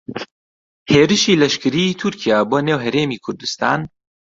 هێرشی لەشکریی تورکیا بۆ نێو هەرێمی کوردستان